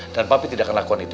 dan papi tidak akan lakukan itu